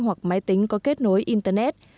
hoặc máy tính có kết nối internet